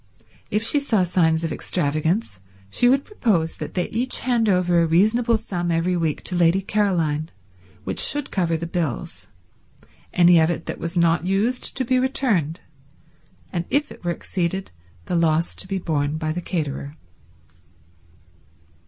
If she saw signs of extravagance she would propose that they each hand over a reasonable sum every week to Lady Caroline which should cover the bills, any of it that was not used to be returned, and if it were exceeded the loss to be borne by the caterer.